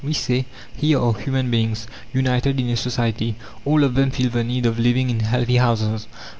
We say, here are human beings, united in a society. All of them feel the need of living in healthy houses.